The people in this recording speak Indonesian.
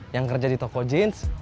yang kerja di toko jeans